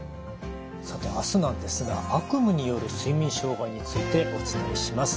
さて明日なんですが悪夢による睡眠障害についてお伝えします。